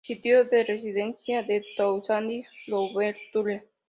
Sitio de residencia de Toussaint Louverture.